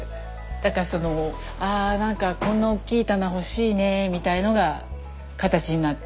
だからそのあなんかこんな大きい棚欲しいねみたいのが形になって。